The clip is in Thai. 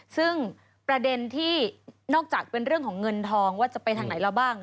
ซึ่งประเด็นที่นอกจากเป็นเรื่องของเงินทองว่าจะไปทางไหนเราบ้าง